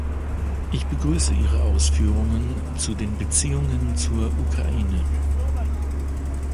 Ich begrüße Ihre Ausführungen zu den Beziehungen zur Ukraine.